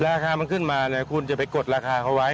ราคามันขึ้นมาเนี่ยคุณจะไปกดราคาเขาไว้